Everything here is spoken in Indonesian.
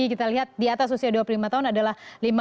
kita lihat di atas usia dua puluh lima tahun adalah